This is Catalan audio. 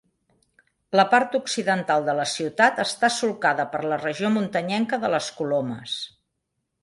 La part occidental de la ciutat està solcada per la regió muntanyenca de les Colomes.